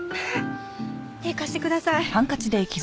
手貸してください。